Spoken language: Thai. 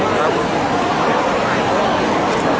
นั่งคุยเจ้าจี้กว่า